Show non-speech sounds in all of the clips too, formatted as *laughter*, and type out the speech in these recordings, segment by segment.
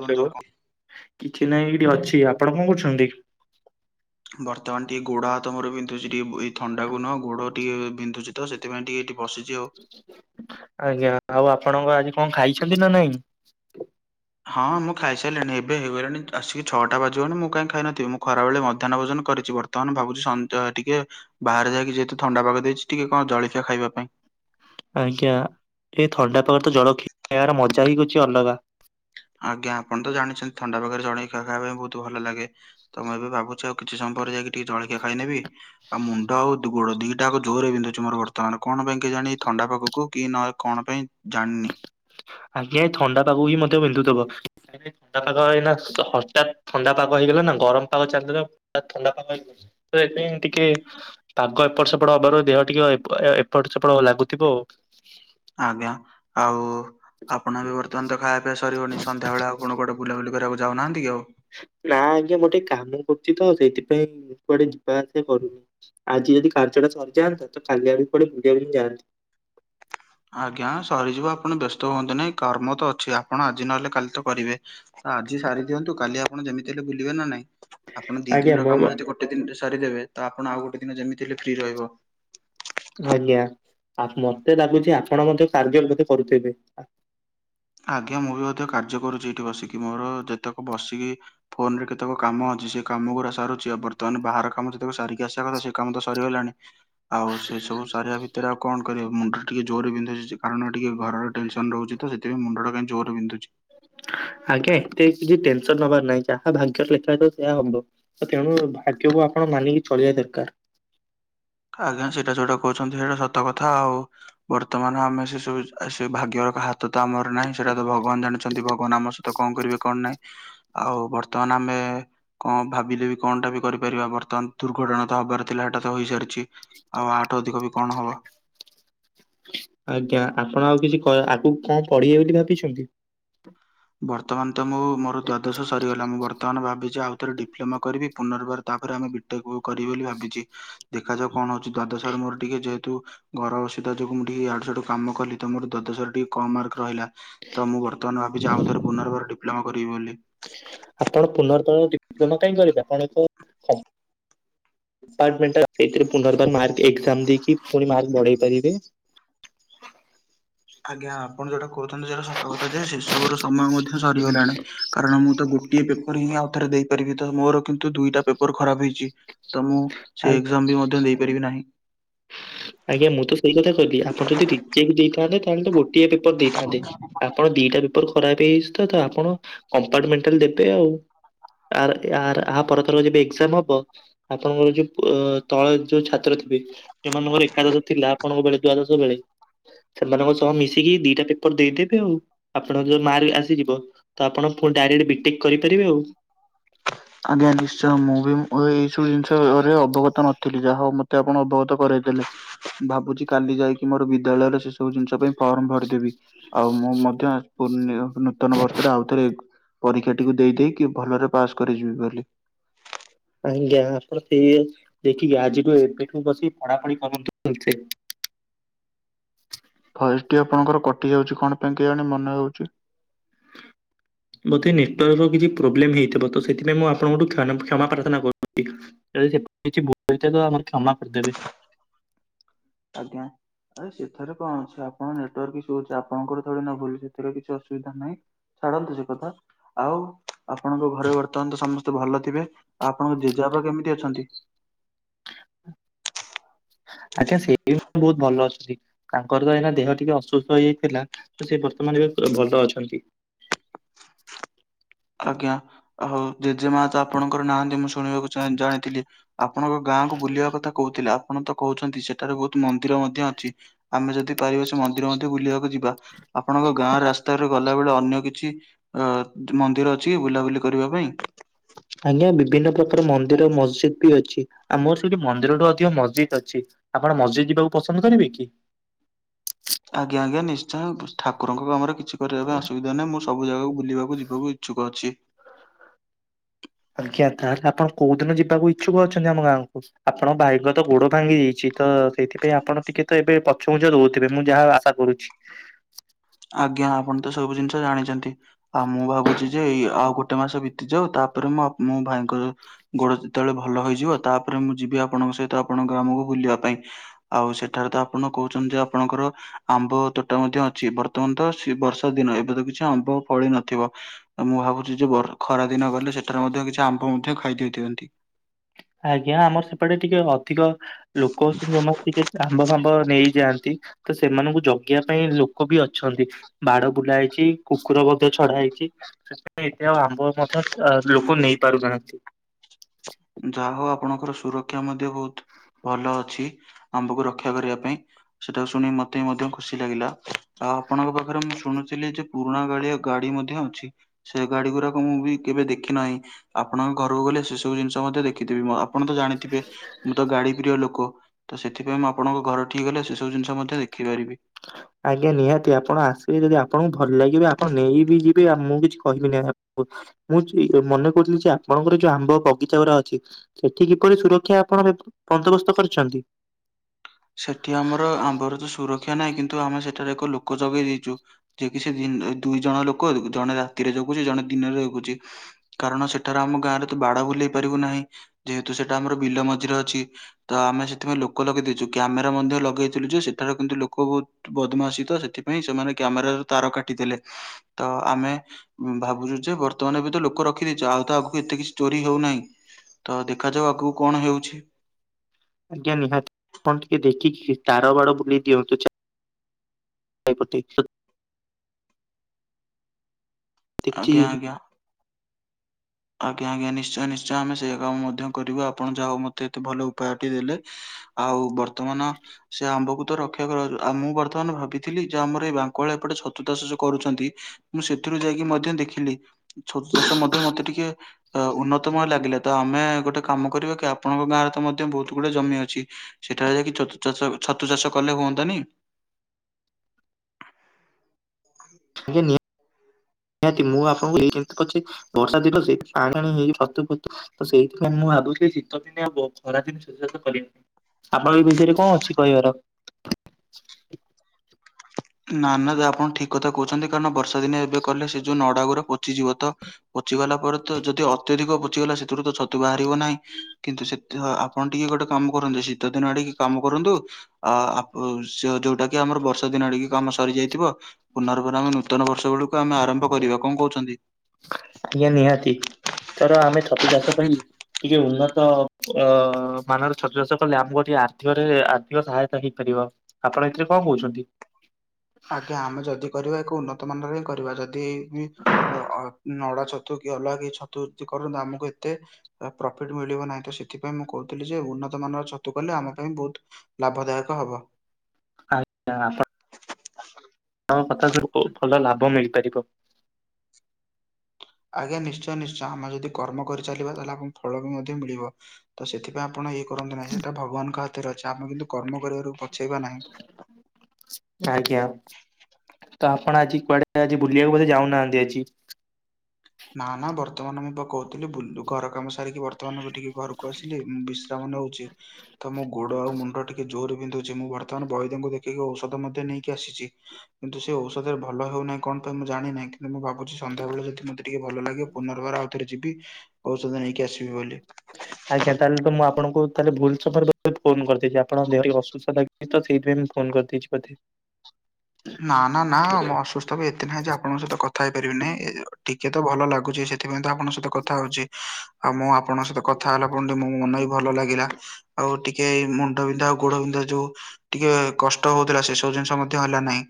ବନ୍ଧୁ କଣ କିଛି ନାଇଁ ଏଇଠି ଅଛି। ଆପଣ କଣ କରୁଛନ୍ତି? ବର୍ତ୍ତମାନ ଟିକେ ଗୋଡ ହାତ ମୋର ବିନ୍ଧୁଛି ଟିକେ ଏଇ ଥଣ୍ଡା କୁହଁ ଗୋଡ ଟିକେ ବିନ୍ଧୁଛି ତ ସେଥିପାଇଁ ଟିକେ ଏଠି ବସିଛି ଆଉ। ଆଜ୍ଞା। ଆଉ ଆପଣଙ୍କ ଆଜି କଣ ଖାଇଛନ୍ତି ନା ନାଇଁ? ହଁ ମୁଁ ଖାଇସାରିଲିଣି ଏବେ ହେଇଗଲିଣି ଆସିକି ଛଅଟା ବାଜିବଣି ମୁଁ କାଇଁ ଖାଇ ନଥିବି? ମୁଁ ଖରାବେଳେ ମଧ୍ୟାହ୍ନ ଭୋଜନ କରିଛି। ବର୍ତମାନ ବର୍ତ୍ତମାନ ଭାବୁଛି ସଞ୍ଜ ଟିକେ ବାହାରେ ଯାଇକି ଯେହେତୁ ଥଣ୍ଡା ପାଗ ଦେଇଛି ଟିକେ କଣ ଜଳଖିଆ ଖାଇବା ପାଇଁ। ଆଜ୍ଞା ଏ ଥଣ୍ଡା ପ୍ରକାରେ ତ ଜଳଖିଆର ମଜା ହିଁ କୁଛୁ ଅଲଗା। ଆଜ୍ଞା ଆପଣ ତ ଜାଣିଛନ୍ତି ଥଣ୍ଡା ପାଗରେ ଜଳି ଖିଆ ଖାଇବା ପାଇଁ ବହୁତୁ ଭଲ ଲାଗେ? ତ ମୁଁ ଏବେ ଭାବୁଛି ଆଉ କିଛି ସମୟ ପରେ ଯାଇକି ଟିକେ ଜଳିଖିଆ ଖାଇ ନେବି। ଆଉ ମୁଣ୍ଡ ଆଉ ଦୁ ଗୋଡ ଦିଟା ଆଉ ଜୋରରେ ବିନ୍ଧୁଛି ମୋର ବର୍ତ୍ତମାନ କଣ ପାଇଁ କି ଜାଣି ଥଣ୍ଡା ପାଗକୁ କି ନହେ କଣ ପାଇଁ ଜାଣନି। ଆଜ୍ଞା ଥଣ୍ଡା ପାଗକୁ ହିଁ ମଧ୍ୟ ବିନ୍ଧୁଥବ। ଥଣ୍ଡା ପାଗ ହେଇନା ହଠାତ୍ ଥଣ୍ଡା ପାଗ ହେଇଗଲାନା ଗରମ ପାଗ ଚାଲିଗଲା ଥଣ୍ଡା ପାଗ ହେଇଗ ତ ସେଥିପାଇଁ ଟିକେ ପାଗ ଏପଟ ସେପଟ ହବାର ଦେହ ଟିକେ ଏପଟ ସେପଟ ଲାଗୁଥିବ। ଆଜ୍ଞା ଆଉ ଆପଣ ବି ବର୍ତ୍ତମାନେ ତ ଖାଇବା ପିଇବା ସରିବନି ସଧ୍ୟାବେଳେ ଆଉ କଣ କୋଆଡେ ବୁଲାବୁଲି କରିବାକୁ ଯାଉନାହାନ୍ତି କି ଆଉ? ନା ଆଜ୍ଞା ମୋ ଟିକେ କାମ କରୁଚିତ ସେଇଥିପାଇଁ ମୁଁ କୁଆଡେ ଯିବା ଆସିବା କରୁନି। ଆଜି ଯଦି କାର୍ଯ୍ୟଟା ସରିଯାଆନ୍ତା କାଲି ଆଡେ କୁଆଡେ ବୁଲିବାକୁ ଯାଆନ୍ତା। ଆଜ୍ଞା ସରିଯିବ ଆପଣ ବ୍ୟସ୍ତ ହୁଅନ୍ତୁ ନାଇଁ କର୍ମ ତ ଅଛି ଆ ଆପଣ ଆଜି ନହେଲେ କାଲି ତ କରିବେ ଆଜି ସାରି ଦିଅନ୍ତୁ କାଲି ଆପଣ ଯେମିତି ହେଲେ ବୁଲିବେ ନା ନାଇଁ? ଆପଣ ଦି ଆଜ୍ଞା ଦିନର ମୁଁ କାମ ଯଦି ଗୋଟେ ଦିନିରେ ସାରିଦେବେ ତ ଆପଣ ଆଉ ଗୋଟେ ଦିନ ଯେମିତି ହେଲେ ଫ୍ରି ରହିବ। ଆଜ୍ଞା ଆ ମତେ ଲାଗୁଚି ଆପଣ ମଧ୍ୟ କାର୍ଯ୍ୟ ମଧ୍ୟ କରୁଥିବେ? ଆଜ୍ଞା ମୁଁ ବି ମଧ୍ୟ କାର୍ଯ୍ୟ କରୁଚି ଏଠି ବସିକି ମୋର ଯେତେକ ବସିକି ଫୋନରେ କେତକ କାମ ଅଛି ସେ କାମ ସାରୁଚି ଆଉ ବର୍ତ୍ତମାନ ବାହାର କାମ ଯେତେବେଳେ ସାରିକି ଆସିବା କଥା ସେ କାମ ତ ସରିଗଲାଣି। ଆଉ ସେ ସବୁ ସାରିବା ଭିତରେ ସେଥିରେ ଆଉ କଣ କରିବ ମୁଣ୍ଡ ଟିକେ ଜୋରରେ ବିନ୍ଧୁଚି କାରଣ ଟିକେ ଘର ଟେନସନ ରହୁଚି ତ ସେ ତେବେ ମୁଣ୍ଡ ଟା କାଇଁ ଜୋରେ ବିନ୍ଧୁଚି। ଆଜ୍ଞା ଏତେ କିଛି ଟେନସନ ହବାର ନାହିଁ ଯାହା ଭାଗ୍ୟରେ ଲେଖା ହେଇଥିବ ସେୟା ହବ। ତ ତେଣୁ ଭାଗ୍ୟକୁ ଆପଣ ମାନିକି ଚଳେଇବା ଦରକାର। ଆଜ୍ଞା ସେଇଟା ଯୋଉଟା କହୁଛନ୍ତି ସେଇଟା ସତ କଥା ଆଉ। ବର୍ତ୍ତମାନ ଆମେ ସେ ସବୁ ସେ ଭାଗ୍ୟର ହାତ ତ ଆମର ନାହିଁ ସେଟା ତ ଭଗବାନ ଜାଣି ଚି ଭଗବାନ ଆମ ସହିତ କଣ କରିବେ କଣ ନାଇଁ ଆଉ ବର୍ତ୍ତମାନ ଆମେ କଣ ଭାବିଲେ ବି କଣଟା ବି କରିପାରିବା ବର୍ତ୍ତମାନ ଦୁର୍ଘଟଣା ତ ହବାର ଥିଲା ସେଟା ତ ହେଇସାରିଚି। ଆଉ ଆଠୁ ଅଧିକ ବି କଣ ହବ। ଆଜ୍ଞା ଆପଣ ଆଉ କିଛି କ ଆଗକୁ କଣ ପଢିବେ ବୋଲି ଭାବିଛନ୍ତି? ବର୍ତ୍ତମାନ ତ ମୁଁ ମୋର ଦ୍ଵାଦଶ ସରିଗଲା ମୁଁ ବର୍ତ୍ତମାନ ଭାବିଚି ଆଉଥରେ ଡିପ୍ଲୋମା କରିବି ପୁନର୍ବାର ତାପରେ ଆମେ ଏଟାକୁ କରିବି ବୋଲି ଭାବିଚି ଦେଖାଯାଉ କଣ ଅଛି ଦ୍ବାଦଶ ରେ ମୋର ଟିକେ ଯେହେତୁ ଘର ଅସୁବିଧା ଯୋଗୁ ମୁଁ ଟିକେ ଏଆଡୁ ସେଆଡୁ କାମ କଲିତ ମୋର ଦ୍ବାଦଶ ରେ ଟିକେ କମ୍ ମାର୍କ ରହିଲା ତ ମୁଁ ବ *unintelligible* ର୍ତ୍ତମାନ ଭାବିଚି ଆଉଥରେ ପୁନର୍ବାର ଡିପ୍ଲମା କରିବି ବୋଲି। ଆପଣ ପୁନର୍ବର ଡିପ୍ଲୋମା କାଇଁ କରିବେ ଆପଣତ ଅପାମେଣ୍ଟେ ସେଇଥିରେ ପୁନର୍ବାର ମାର୍କ ଏଜାମ୍ ଦେଇକି ପୁଣି ମାର୍କ ବଢେଇ ପାରିବେ। ଆଜ୍ଞା ଆପଣ ଯୋଉଟା କହୁଛନ୍ତି ସେଟା ସତକଥା ଯେ ସେ ସବୁ ସମୟ ମଧ୍ୟ ସରିଗଲାଣି। କାରଣ ମୁଁ ତ ଗୋଟିଏ ପେପର ହିଁ ଆଉ ଥରେ ଦେଇପାରିବି ତ ମୋର କିନ୍ତୁ ଦୁଇଟା ପେପର ଖରାପ ହେଇଚି। ତ ମୁଁ ଆ ସେ ଏଗଜାମ୍ ବି ମଧ୍ୟ ଦେଇପାରିବି ନାହିଁ ଆଜ୍ଞା ମୁଁ ତ ସେଇ କଥା କହିଲି ଆପଣ ଯଦି ଡିଜେକେ ଦେଇଥାନ୍ତେ ତାହେଲେ ତ ଗୋଟିଏ ପେପର ଦେଇଥାନ୍ତେ ଆ ଆପଣ ଦିଟା ପେପର ଖରାପ ହେଇଚି ତ ଆପଣ କମ୍ପାର୍ଟମେଣ୍ଟାଲ ଦେବେ ଆଉ। ଆର ଆର ଆ ପରଥର ଯେବେ ଏଜାମ୍ ହବ ଆପଣଙ୍କର ଯୋଉ ତଳେ ଯୋଉ ଛାତ୍ର ଥିବେ ଯୋଉମାନଙ୍କର ଏକାଦଶ ଥିଲା ଆପଣଙ୍କ ବେଳେ ଦ୍ୱାଦଶ ବେଳେ ସେମାନଙ୍କ ସହ ମିଶିକି ଦିଟା ପେପର ଦେଇଦେବେ ଆଉ ଆପଣଙ୍କ ଯୋଉ ମାର୍କ ଆସିଯିବ ତ ଆପଣ ପୁଣି ଡାଇରେକ୍ଟ ବିଟେକ୍ କରିପାରିବେ ଆଉ। ଆଜ୍ଞା ନିଶ୍ଚୟ, ମୁଁ ବି ଏଇ ସବୁ ଜିନିଷରେ ଅବଗତ ନଥିଲି। ଯାହା ହଉ ମତେ ଆପଣ ଅବଗତ କରାଇଦେଲେ। ଭାବୁଛି କାଲି ଯାଇକି ମୋର ବିଦ୍ୟାଳୟର ଶେଷ ସବୁ ଜିନିଷ ପାଇଁ ଫର୍ମ ଭରିଦେବି। ଆଉ ମୁଁ ମଧ୍ୟ ପୁନ୍ୟ-ନୂତନ ବର୍ଷରେ ଆଉଥରେ ପରୀକ୍ଷାଟିକୁ ଦେଇ ଦେଇକି, ଭଲରେ ପାସ୍ କରିଯିବି ବୋଲି। ଆଜ୍ଞା ଆପଣ ସେ ଇଏ ଦେଖିବେ ଆଜିଠୁ ଏବେଠୁ ବସି ପଢାପଢି କରନ୍ତୁ ଭଲ ସେ। ଭଏସ ଟି ଆପଣଙ୍କର କଟି ଯାଉଛି କଣ ପାଇଁ କେଇଯାଣି, ମନେହେଉଛି। ବୋଧେ ନେଟୱାର୍କ ର କିଛି ପ୍ରୋବ୍ଲେମ ହେଇଥିବ। ତ ସେଥିପାଇଁ ମୁଁ ଆପଣଙ୍କଠୁ କ୍ଷ-କ୍ଷମା ପ୍ରାର୍ଥନା କରୁଛି। ସେ କିଛି ଭୁଲ ଥିବା ତ ଆପଣ କ୍ଷମା କରିଦେବେ। ଆଜ୍ଞା। ଆରେ ସେଥିରେ କଣ ଅଛି, ଆପଣଙ୍କ ନେଟାର୍କ ଇସୁ ହଉଛି। ଆପଣଙ୍କର ଥୋଡି ନା ଭୁଲ ଅଛି। ସେଥିରେ କିଛି ଅସୁବିଧା ନାହିଁ। ଛାଡ଼ନ୍ତୁ ସେ କଥା। ଆଉ ଆପଣଙ୍କ ଘରେ ବର୍ତ୍ତମାନ ତ ସମସ୍ତେ ଭଲ ଥିବେ। ଆଉ ଆପଣଙ୍କ ଜେଜେବାବା କେମିତି ଅଛନ୍ତି? ଆଜ୍ଞା ସେ ବି ମୁ ବହୁତ ଭଲ ଅଛନ୍ତି। ତାଙ୍କର ତ ଏଇନା ଦେହ ଟିକେ ଅସୁସ୍ଥ ହେଇଯାଇଥିଲା। ତ ସେ ବର୍ତ୍ତମାନ ଏବେ ପୁରା ଭଲ ଅଛନ୍ତି। ଆଜ୍ଞା, ଆଉ ଜେଜେ ମା ତ ଆପଣଙ୍କର ନାହାନ୍ତି ମୁଁ ଶୁଣିବାକୁ ଚାହିଁ-ଜାଣିଥିଲି। ଆପଣଙ୍କ ଗାଁ କୁ ବୁଲିବା କଥା କହୁଥିଲେ। ଆପଣ ତ କହୁଛନ୍ତି ସେଠାରେ ବହୁତ ମନ୍ଦିର ମଧ୍ୟ ଅଛି। ଆମେ ଯଦି ପାରିବା ସେ ମନ୍ଦିର ମଧ୍ୟ ବୁଲିବାକୁ ଯିବା। ଆପଣଙ୍କ ଗାଁ ରାସ୍ତାରେ ଗଲାବେେଳେ, ଅନ୍ୟ କିଛି ଅ ମନ୍ଦିର ଅଛିକି ବୁଲାବୁଲି କରିବା ପାଇଁ? ଆଜ୍ଞା ବିଭିନ୍ନ ପ୍ରକାର ମନ୍ଦିର ମସଜିଦ୍ ବି ଅଛି। ଆମର ସେଇଠି ମନ୍ଦିର ଠୁ ଅଧିକ ମସ୍ଜିଦ୍ ଅଛି। ଆପଣ ମସ୍ଜିଦ୍ ଯିବାକୁ ପସନ୍ଦ କରିବେ କି? ଆଜ୍ଞା ଆଜ୍ଞା ନିଶ୍ଚୟ। ଠାକୁରଙ୍କ କାମରେ କିଛି କରିବା ପାଇଁ ଅସୁବିଧା ନାହିଁ, ମୁଁ ସବୁ ଜାଗାକୁ ବୁଲିବାକୁ ଯିବାକୁ ଇଚ୍ଛୁକ ଅଛି। ଆଜ୍ଞା, ତାହେଲେ ଆପଣ କୋଉ ଦିନ ଯିବାକୁ ଇଚ୍ଛୁକ ଅଛନ୍ତି ଆମ ଗାଁକୁ? ଆପଣ ଭାଇଙ୍କ ତ ଗୋଡ ଭାଙ୍ଗି ଯାଇଛି, ତ ସେଇଥିପାଇଁ ଆପଣ ଟିକେ ତ ଏବେ ପଛଘୁଞ୍ଚା ଦଉଥିବେ। ମୁଁ ଯାହା ଆଶା କରୁଛି। *inaudible* ଆଜ୍ଞା, ଆପଣ ତ ସବୁ ଜିନିଷ ଜାଣିଛନ୍ତି। ଆଉ ମୁଁ ଭାବୁଛି ଯେ ଏଇ ଆଉ ଗୋଟେ ଗୋଟେ ମାସ ବିତିଯାଉ, ତାପରେ ମୋ ଆପ-ଭାଇଙ୍କର ଗୋଡ଼ ଯେତେବେଳେ ଭଲ ହୋଇଇଯିବ, ତାପରେ ମୁଁ ଯିବି ଆପଣଙ୍କ ସହିତ ଆପଣଙ୍କ ଗ୍ରାମକୁ ବୁଲିବା ପାଇଁ। ଆଉ ସେଠାରେ ତ ଆପଣ କହୁଛନ୍ତି ଯେ, ଆପଣଙ୍କର ଆମ୍ବ ତୋଟା ମଧ୍ୟ ଅଛି। ବତ ତମାନ ତ ଶି-ବର୍ଷା ଦିନ। ଏବେ ତ କିଛି ଆମ୍ବ ଫଳି ନଥିବ। ମୁଁ ଭାବୁଛି ଯେ ବ-ଖରା ଦିନ ଗଲେ, ସେଠାରେ ମଧ୍ୟ କିଛି ଆମ୍ବ ମଧ୍ୟ ଖାଇ ଦେଇଥାଆନ୍ତି। ଆଜ୍ଞା ଆମର ସେପଟେ ଟିକେ ଅଧିକ ଲୋକ ଅଛନ୍ତି, ଯୋଉମାନେ ଟିକେ ଆମ୍ବ ଫାମ୍ବ ନେଇଯାଆନ୍ତି। ତ ସେମାନଙ୍କୁ ଜଗିବା ପାଇଁ ଲୋକ ବି ଅଛନ୍ତି। ବାଡ ବୁଲା ହେଇଛି, କୁକୁର ମଧ୍ୟ ଛଡା ହେଇଛି। ସେଥିପାଇଁ ଏତ ଆଉ ଆମ୍ବ ମଧ୍ୟ ଲୋକ ନେଇ ପାରୁନାହାନ୍ତି। ଯାହ ହଉ ଆପଣଙ୍କର ସୁରକ୍ଷା ମଧ୍ୟ ବହୁତ ଭଲ ଅଛି। ଆମ୍ବକୁ ରକ୍ଷା କରିବା ପାଇଁ। ସେଟା ଶୁଣି ମତେ ମଧ୍ୟ ଖୁସି ଲାଗିଲା। ଆଉ ଆପଣଙ୍କ ପାଖରେ ମୁଁ ଶୁଣୁଥିଲି ଯେ ପୁରୁଣା କାଳିଆ ଗାଡି ଗାଡି ମଧ୍ୟ ଅଛି। ସେ ଗାଡି ଗୁଡାକ ମୁଁ ବି କେବେ ଦେଖି ନାହିଁ। ଆପଣଙ୍କ ଘରକୁ ଗଲେ ସେ ସବୁ ଜିନିଷ ମଧ୍ୟ ଦେଖିଥିବି। ଆପଣ ତ ଜାଣିଥିବେ, ମୁଁ ତ ଗାଡି ପ୍ରିୟ ଲୋକ। ତ ସେଥିପାଇଁ ମୁଁ ଆପଣଙ୍କ ଘର ଠି ଗଲେ, ସେ ସବୁ ଜିନିଷ ମଧ୍ୟ ଦେଖିପାରିବି। ଆଜ୍ଞା ନିହାତି, ଆପଣ ଆସିବେ ଯଦି ଆପଣଙ୍କୁ ଭଲ ଲାଗିବେ ଆପଣ ନେଇ ବିି ଯିବେ। ଆଉ ମୁଁ କିଛି କହିବି ନାହିଁ ମୁଁ ମୁଁ ଠିକରେ ମନେ କରୁଥିଲି ଯେ ଆପଣଙ୍କର ଯୋଉ ଆମ୍ବ ବଗିଚା ଗୁରା ଅଛି ସେଠି କିପରି ସୁରକ୍ଷା ଆପଣ ବେବ ବନ୍ଦୋବସ୍ତ କରିଛନ୍ତି? ସେଠି ଆମର ଆମ୍ବର ତ ସୁରକ୍ଷା ନାଇଁ କିନ୍ତୁ ଆମେ ସେଠାରେ ଏକ ଲୋକ ଜଗେଇ ଦେଇଚୁ। ଯେ କି ସେ ଦିନ ଦୁଇ ଜଣ ଲୋକ ଜଣେ ରାତିରେ ଜଗୁଚି ଜଣେ ଦିନରେ ଜଗୁଚି। କାରଣ ସେଠାରେ ଆମ ଗାଁ ରେ ତ ବାଡ଼ା ବୁଲେଇ ପାରିବୁ ନାହିଁ ଯେହେତୁ ସେଟା ଆମର ବିଲ ମଝିରେ ଅଛି। ତ ଆମେ ସେଥିପାଇଁ ଲୋକ ଲଗେଇ ଦେଇଚୁ କ୍ୟାମେରା ମଧ୍ୟ ଲଗେଇଥିଲୁ ଯେ ସେଠାର କିନ୍ତୁ ଲୋକ ବହୁତ ବଦମାସି ତ ସେଥିପାଇଁ ସେମାନେ କ୍ୟାମେରା ର ତାର କାଟିଦେଲେ ତ ଆମେ ଭାବୁଚୁ ଯେ ବର୍ତ୍ତମାନ ବି ତ ଲୋକ ରଖିଦେଇଚୁ ଆଉ ତା ଆଗକୁ ଏତେ କିଛି ଚୋରି ହଉନାହିଁ। ତ ଦେଖାଯାଉ ଆଗକୁ କଣ ହେଉଛି। ଆଜ୍ଞା ନିହାତି ଆପଣ ଟିକେ ଦେଖିକି ତାର ବାଡ଼ ବୁଲେଇ ଦିଅନ୍ତୁ ଚା ଚାଇପତି ତ କିଛି ଆଜ୍ଞା ଆଜ୍ଞା। ଆଜ୍ଞା ଆଜ୍ଞା ନିଶ୍ଚୟ ନିଶ୍ଚୟ ଆମେ ସେଇଆ କାମ ମଧ୍ୟ କରିବୁ ଆପଣ ଯାହା ହଉ ମତେ ଏତେ ଭଲ ଉପାୟଟି ଦେଲେ। ଆଉ ବର୍ତ୍ତମାନ ସେ ଆମ୍ବକୁ ତ ରକ୍ଷା କରାଗଲା ଆଉ ମୁଁ ବର୍ତ୍ତମାନ ଭାବିଥିଲି ଯୋଉ ଆମର ଏଇ ବାଙ୍କୁ ଆଳ ଏପଟେ ଛତୁ ଚାଷ ଯୋଉ କରୁଛନ୍ତି ମୁଁ ସେଥିରୁ ଯାଇକି ମଧ୍ୟ ଦେଖିଲି ଛତୁ ଚାଷ ମଧ୍ୟ ମତେ ଟିକେ ଅ ଉନ୍ନତମୟ ଲାଗିଲା ତ ଆମେ ଗୋଟେ କାମ କରିବା କି ଆପଣଙ୍କ ଗାଁରେ ତ ମଧ୍ୟ ବହୁତୁ ଗୁଡ଼େ ଜମି ଅଛି ସେଠାରେ ଯାଇକି ଛତୁ ଚାଷ ଛତୁ ଚାଷ କଲେ ହୁଅନ୍ତାନି? ଆଜ୍ଞା ନି ନିହାତି ମୁଁ ଆପଣଙ୍କୁ ଏଇ ଯେମତି କରଚି ବର୍ଷା ଦିନ ସେଇଠି ପାଣି ଆଣି ହେଇକି ଛତୁ ଫତୁ ତ ସେଇଥିପାଇଁ ମୁଁ ଭାବୁଥିଲି ଶୀତ ଦିନିଆ ବ ଖରା ଦିନେ ଛତୁ ଚାଷ କଲିନି କାହିଁ। ଆପଣ ଏ ବିଷୟରେ କଣ ଅଛି କହିବାର? ନା ନା ଯାହା ଆପଣ ଠିକ କଥା କହୁଛନ୍ତି କାରଣ ବର୍ଷା ଦିନେ ଏବେ କଲେ ସେ ଯୋଉ ନଡ଼ା ଗୁରା ପଚିଯିବ ତ ପଚିଗଲା ପରେ ତ ଯଦି ଅତ୍ୟଧିକ ପଚିଗଲା ସେଥିରୁ ତ ଛତୁ ବାହାରିବ ନାହିଁ। କିନ୍ତୁ ସେ ଆପଣ ଟିକେ ଗୋଟେ କାମ କରନ୍ତୁ ଶୀତ ଦିନ ଟିକେ କାମ କରନ୍ତୁ। ଆ ଆପ ଯୋଉଟା କି ଆମର ବର୍ଷା ଦିନ ଆଡ଼ିକି କାମ ସରିଯାଇଥିବ ପୁନର୍ବାର ଆମେ ନୂତନ ବର୍ଷ ବେଳକୁ ଆମେ ଆରମ୍ଭ କରିବା କଣ କହୁଛନ୍ତି? ଆଜ୍ଞା ନିହାତି ଏଥର ଆମେ ଛତୁ ଚାଷ ପାଇଁ ଟିକେ ଉନ୍ନତ ଅ ମାନର ଛତୁ ଚାଷ କଲେ ଆମକୁ ଟିକେ ଆର୍ଥିକରେ ଆର୍ଥିକ ସହାୟତା ହେଇପାରିବ। ଆପଣ ଏଥିରେ କଣ କହୁଛନ୍ତି? ଆଜ୍ଞା ଆମେ ଯଦି କରିବା ଏକ ଉନ୍ନତ ମାନରେ ହିଁ କରିବା ଯଦି ବି ଅ ନଡ଼ା ଛତୁ କି ଅଲଗା କି ଛତୁ ଯିଏ କରୁଚନ୍ତି ଆମକୁ ଏତେ ଏ ପ୍ରଫିଟ ମିଳିବ ନାହିଁ ତ ସେଥିପାଇଁ ମୁଁ କହୁଥିଲି ଯେ ଉନ୍ନତମାନର ଛତୁ କଲେ ଆମ ପାଇଁ ବହୁତ ଲାଭଦାୟକ ହବ। ଆଜ୍ଞା ଆପ ହଁ କଥା ସ୍ଵରୁପୁ ଭଲ ଲାଭ ମିଳିପାରିବ। ଆଜ୍ଞା ନିଶ୍ଚୟ ନିଶ୍ଚୟ ଆମେ ଯଦି କର୍ମ କରିଚାଲିବା ତାହେଲେ ଆମକୁ ଫଳ ବି ମଧ୍ୟ ମିଳିବ। ତ ସେଥିପାଇଁ ଆପଣ ଇଏ କରନ୍ତୁ ନାହିଁ ସେଟା ଭଗବାନଙ୍କ ହାତରେ ଅଛି ଆମେ କିନ୍ତୁ କର୍ମ କରିବାରୁ ପଛେଇବା ନାହିଁ। ଆଜ୍ଞା। ତ ଆପଣ ଆଜି କୁଆଡ଼େ ଆଜି ବୁଲିବାକୁ ବୋଧେ ଯାଉନାହାନ୍ତି ଆଜି। ନା ନା ବର୍ତ୍ତମାନ ମୁଁ ପା କହୁଥିଲି ବୁଲ ଘର କାମ ସାରିକି ବର୍ତ୍ତମାନ ଟିକେ ଘରକୁ ଆସିଲି ଉଁ ବିଶ୍ ଶ୍ରାମ ନଉଚି। ତ ମୋ ଗୋଡ଼ ଆଉ ମୁଣ୍ଡ ଟିକେ ଜୋରରେ ବିନ୍ଧୁଚି ମୁଁ ବର୍ତ୍ତମାନ ବୈଦଙ୍କୁ ଦେଖିକି ଔଷଧ ମଧ୍ୟ ନେଇକି ଆସିଚି। କିନ୍ତୁ ସେ ଔଷଧରେ ଭଲ ହଉନାହିଁ କଣ ପାଇଁ ମୁଁ ଜାଣିନାଇଁ କିନ୍ତୁ ମୁଁ ଭାବୁଛି ସନ୍ଧ୍ୟାବଳେ ଯଦି ମତେ ଟିକେ ଭଲ ଲାଗିବ ପୁନର୍ବାର ଆଉ ଥରେ ଯିବି ଔଷଧ ନେଇକି ଆସିବି ବୋଲି। ଆଜ୍ଞା ତାହେଲେ ମୁଁ ଆପଣଙ୍କୁ ତାହେଲେ ଭୁଲ ସମୟ ଫୋନ୍‌ କରିଦେଲି ଆପଣ ଦେହ ଅସୁସ୍ଥ ଲା ଏ ତ ସେଇଥିପାଇଁ ମୁଁ ଫୋନ୍ କରିଦେଇଛି ବୋଧେ। ନା ନା ନା ମୁ ଅସୁ ଏତେ ନାହିଁ ଯେ ଆପଣଙ୍କ ସହିତ କଥା ହେଇପାରିବେ ନାହିଁ ଟିକେ ତ ଭଲ ଲାଗୁଚି ସେଥିପାଇଁ ତ ଆପଣଙ୍କ ସହିତ କଥା ହୋଉଛି ଆଉ ମୁଁ ଆପଣଙ୍କ ସହିତ କଥା ହେଲା ପରେ ମୋ ମନ ବି ଟିକେ ଭଲ ଲାଗିଲା। ଆଉ ଟିକେ ମୁଣ୍ଡ ବିନ୍ଧା ଆଉ ଗୋଡ ବିନ୍ଧା ଯୋଉ ଟିକେ କଷ୍ଟ ହୋଉଥିଲା ସେ ସବୁ ଜିନ୍ଷ ମଧ୍ୟ ହେଲା ନାହିଁ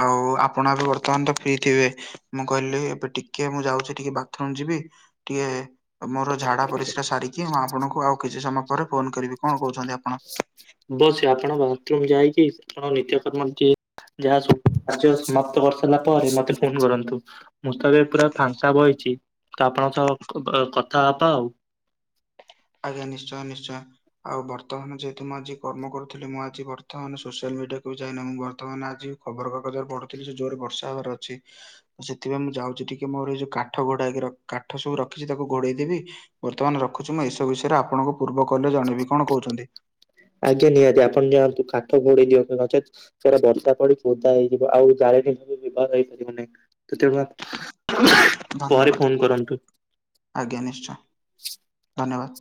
ଆଉ ଆପଣ ଆଗ ବର୍ତ୍ତମାନ ତ ଫ୍ରି ଥିବେ। ମୁଁ କହିଲି ଏବେ ଟିକେ ମୁଁ ଯାଉଛି ଟିକେ ବାଥ୍ରୁମ୍ ଯିବି ଟିକେ ମୋର ଝାଡା ପରିସ୍ରା ସାରିକି ମୁଁ ଆପଣଙ୍କୁ ଆଉ କିଛି ସମୟ ପରେ ଫୋନ୍ କରିବି କଣ କହୁଛନ୍ତି ଆପଣ? ବସ୍ ଆପଣ ବାଥ୍ରୁମ୍ ଯାଇକି ଆପଣ ନିତ୍ୟ କର୍ମ ଯାହା କାର୍ଯ୍ୟ ସମାପ୍ତ କରିସାରିଲା ପରେ ମତେ ଫୋନ୍ କରନ୍ତୁ। ମୁଁ ତ ଏବେ ପୁରା ଫାଙ୍କା ବଇଚି ତ ଆପଣଙ୍କ ସହ କଥା ହବା ଆଉ। ଆଜ୍ଞା ନିଶ୍ଚୟ ନିଶ୍ଚୟ। ଆଉ ବର୍ତ୍ତମାନ ଯେହେତୁ ମୁଁ ଆଜି କର୍ମ କରୁଥିଲି ମୁଁ ଆଜି ବର୍ତ୍ତମାନ ସୋସିଆଲ ମିଡ଼ିଆକୁ ବି ଯାଇନି ମୁଁ ବର୍ତ୍ତମାନ ଆଜି ଖବର କାଗଜରେ ପଢୁଥିଲି ଯେ ଜୋରେ ବର୍ଷା ହେବାର ଅଛି। ସେଥିପାଇଁ ମୁଁ ଯାଉଚି ଟିକେ ମୋର ଏଇ ଯୋଉ କାଠ ଘୋଡାହେଇକି ର କାଠ ସବୁ ରଖିଛି ତାକୁ ଘୋଡେଇଦେବି। ବର୍ତ୍ତମାନ ରଖୁଛି ମୁଁ ଏସବୁ ବିଷୟରେ ଆପଣଙ୍କୁ ପୂର୍ବ କଲ୍‌ରେ ଜଣେଇବି କଣ କୋହୁଛନ୍ତି? ଆଜ୍ଞା ନିହାତି ଆପଣ ଯାଆନ୍ତୁ କାଠ ଘୋଡେଇ ଦିଅନ୍ତୁ ନଚେତ୍ ସେରା ବର୍ଷା ପଡି ଓଦା ହେଇଯିବ ଆଉ ଜାଳେଣି ବ୍ୟବହାର ହେଇପାରିବ ନାହିଁ ତ ତେଣୁ ଆ ପରେ ଧନ୍ୟବାଦ ଫୋନ୍ କରନ୍ତୁ। ଆଜ୍ଞା ନିଶ୍ଚୟ ଧନ୍ୟବାଦ୍।